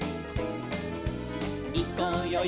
「いこうよい